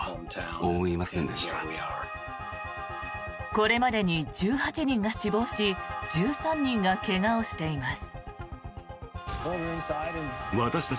これまでに１８人が死亡し１３人が怪我をしています。